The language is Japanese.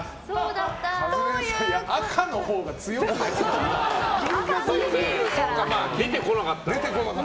赤のほうが強くないか？